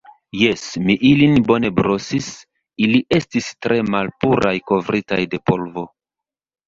Jes, mi ilin bone brosis; ili estis tre malpuraj kovritaj de polvo.